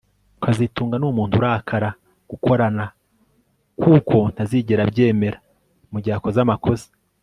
kazitunga numuntu urakara gukorana kuko ntazigera abyemera mugihe akoze amakosa